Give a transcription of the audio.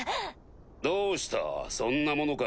どうしたそんなものか？